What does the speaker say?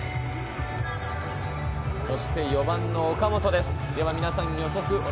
そして４番の岡本です。